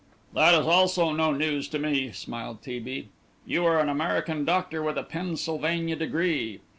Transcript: "That is also no news to me," smiled T. B. "You are an American doctor with a Pennsylvania degree.